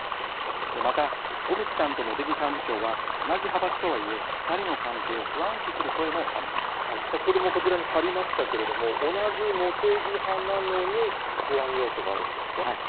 また、小渕さんと茂木幹事長は同じ派閥とはいえ、２人の関係を不先ほどもこちらに貼りましたけれども、同じ茂木派なのに、不安要素があるんですか？